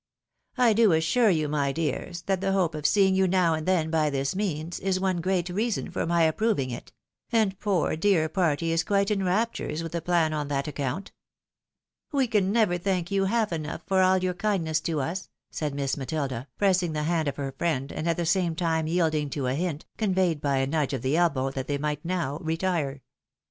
PARTICULAR QUERIES. 221 " I do assure you, my dears, that the hope of seeing you no w and then by this means, is one great reason for my approving it ; and poor, dear Patty is quite in raptures with the plan on that account." " We can never thank you half enough for all your kindness to us," said Miss jMatilda, pressing the hand of her friend, and at the same time yielding to a hint, conveyed by a nudge of the elbow, that they might now retire.